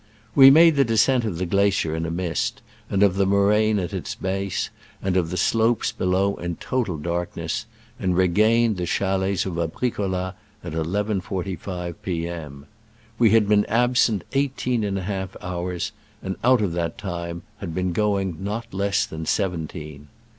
We made the descent of the glacier in a mist, and of the moraine at its base and of the slopes below in total dark ness, and regained the chalets of Abri coUa at 11.45 P. M. We had been ab sent eighteen and a half hours, and out of that time had been going not less than seventeen.